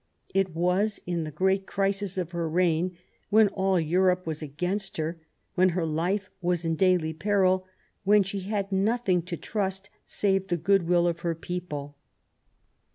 It was in the great crisis of her reign, when all Europe was against her, when her life was in daily peril, when she had nothing to trust save the goodwill of her people.